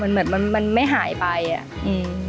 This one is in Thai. เหมือนไม่หายไปอะ